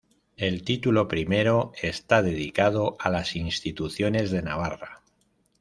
El título primero está dedicado a las instituciones de Navarra.